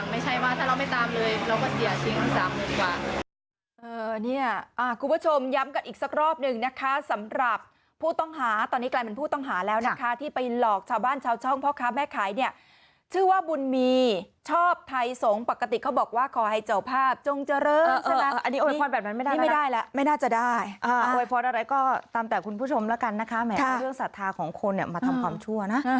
ไม่ใช่ว่าถ้าเราไม่ตามเลยเราก็เสียทิ้ง๓๐๐๐กว่า